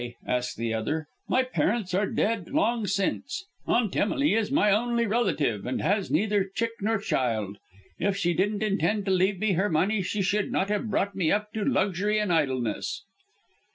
asked the other. "My parents are dead long since. Aunt Emily is my only relative, and has neither chick nor child. If she didn't intend to leave me her money she should not have brought me up to luxury and idleness."